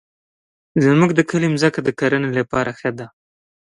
زمونږ د کلي مځکه د کرنې لپاره ښه ده.